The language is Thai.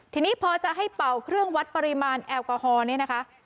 ทีนี้พอจะให้เป่าเครื่องวัดปริมาณแอลกอฮอล์เนี่ยนะคะ